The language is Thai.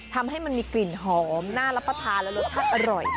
ทำให้มันมีกลิ่นหอมน่ารับประทานและรสชาติอร่อย